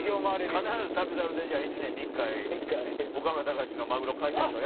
必ず『旅猿』で１年に１回岡村隆史のマグロ解体ショー。